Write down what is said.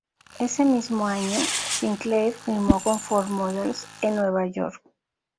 Ese mismo año, Sinclair firmó con Ford Models en Nueva York.